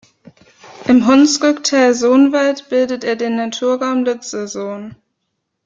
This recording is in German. Im Hunsrück-Teil Soonwald bildet er den Naturraum Lützelsoon.